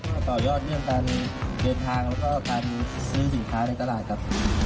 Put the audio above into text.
มาต่อยอดเรื่องการเดินทางแล้วก็การซื้อสินค้าในตลาดครับ